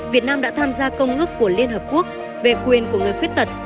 việt nam đã tham gia công ước của liên hợp quốc về quyền của người khuyết tật